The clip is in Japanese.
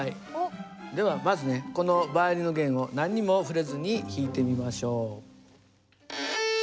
ではまずねこのバイオリンの弦を何にも触れずに弾いてみましょう。